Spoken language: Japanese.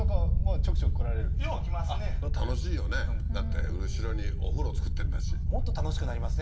楽しいよねだって後ろにお風呂造ってるんだしもっと楽しくなりますね